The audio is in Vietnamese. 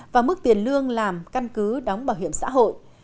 và mức tiền lương làm căn cứ đóng bảo hiểm xã hội